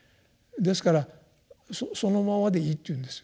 ですからそのままでいいと言うんです